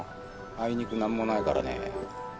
あいにく何もないからね。